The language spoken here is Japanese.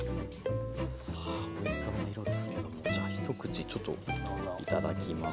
さあおいしそうな色ですけどもじゃあ一口ちょっといただきます。